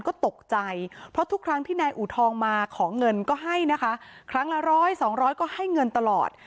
ก็ตกใจเพราะทุกครั้งที่นายอูทองมาขอเงินก็ให้นะคะครั้งละร้อยสองร้อยก็ให้เงินตลอด